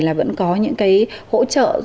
là vẫn có những hỗ trợ rất là tốt